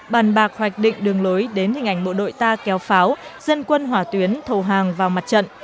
bàn bạc hoạch định đường lối đến hình ảnh bộ đội ta kéo pháo dân quân hỏa tuyến thầu hàng vào mặt trận